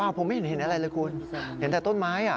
ผมไม่เห็นอะไรเลยคุณเห็นแต่ต้นไม้